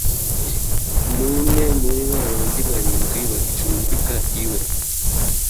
n’umwe muri ba bandi barindwi, bacumbika iwe.”